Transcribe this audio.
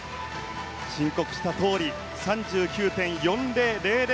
申告したとおり、３９．４０００